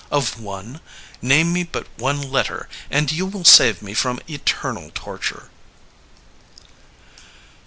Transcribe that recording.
Of one? Name me but one letter and you will save me from eternal torture."